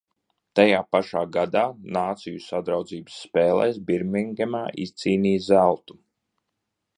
Tajā pašā gadā Nāciju Sadraudzības spēlēs Birmingemā izcīnīja zeltu.